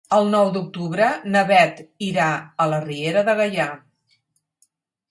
El nou d'octubre na Beth irà a la Riera de Gaià.